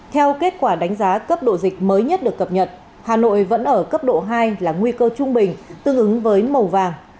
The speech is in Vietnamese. theo kết quả đánh giá cấp độ dịch mới nhất được cập nhật hà nội vẫn ở cấp độ hai là nguy cơ trung bình tương ứng với màu vàng